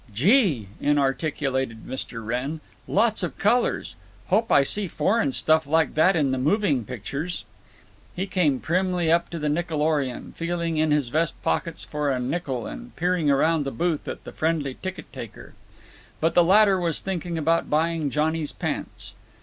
"Gee!" inarticulated Mr. Wrenn. "Lots of colors. Hope I see foreign stuff like that in the moving pictures." He came primly up to the Nickelorion, feeling in his vest pockets for a nickel and peering around the booth at the friendly ticket taker. But the latter was thinking about buying Johnny's pants.